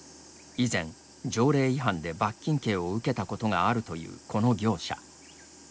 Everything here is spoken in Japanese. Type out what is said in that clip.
以前、条例違反で罰金刑を受けたことがあるというこの業者。